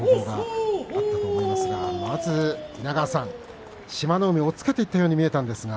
向正面側の攻防があったと思いますが、稲川さん志摩ノ海押っつけていったように見えましたが。